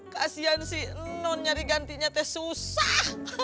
kasian sih non nyari gantinya teh susah